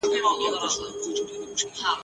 دا پیغام چا رالېږلی؟ کشکي نه مي اورېدلای !.